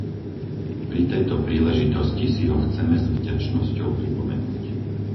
Pri tejto príležitosti si ho chceme s vďačnosťou pripomenúť.